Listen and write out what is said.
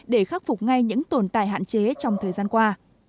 để khắc phục ngay những tồn tại hạn chế trong thời gian qua